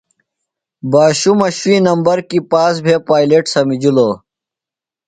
باشُمہ شُوئی نمبر کیۡ پاس بھےۡ پائلٹ سمِجِلوۡ۔